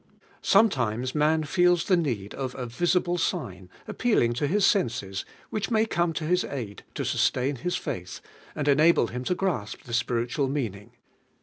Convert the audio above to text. Some times man feels the need of a visible sign, appealing to His senses, which may come to bis aid to sustain His faith, and enable him to grasp the spiritual mean ing.